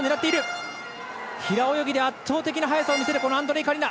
平泳ぎで圧倒的な速さを見せるアンドレイ・カリナ。